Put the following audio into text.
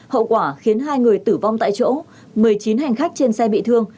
hậu quả khiến hai người tử vong tại chỗ một mươi chín hành khách trên xe bị thương